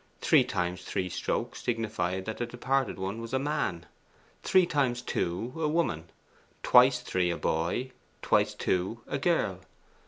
Three times three strokes signified that the departed one was a man; three times two, a woman; twice three, a boy; twice two, a girl.